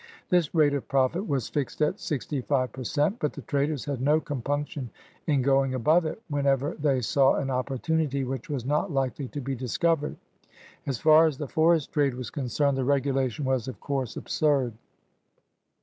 This rate of profit was fixed at sixty five per cent, but the traders had no compunction in going above it whenever they saw an opportunity which was not likely to be dis covered. As far as the forest trade was concerned, the regulation was, of course, absurd.